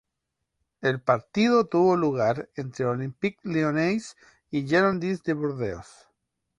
El partido tuvo lugar entre Olympique Lyonnais y Girondins de Burdeos.